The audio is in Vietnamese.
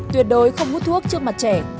tuyệt đối không hút thuốc trước mặt trẻ